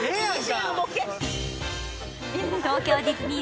東京ディズニー